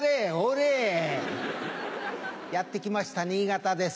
やって来ました新潟です。